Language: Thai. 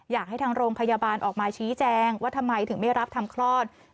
อยากให้ทางโรงพยาบาลออกมาชี้แจงว่าทำไมถึงไม่รับทำคลอด